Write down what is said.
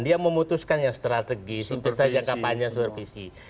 dia memutuskan yang strategis yang kapal yang supervisi